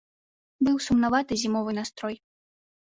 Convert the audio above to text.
Быў сумнаваты зімовы настрой.